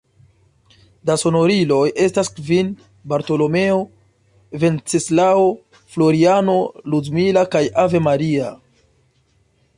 Da sonoriloj estas kvin: Bartolomeo, Venceslao, Floriano, Ludmila kaj Ave Maria.